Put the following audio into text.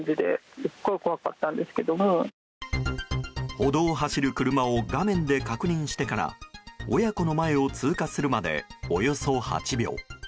歩道を走る車を画面で確認してから親子の前を通過するまでおよそ８秒。